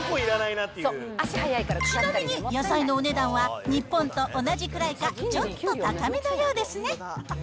ちなみに野菜のお値段は日本と同じくらいか、ちょっと高めのようですね。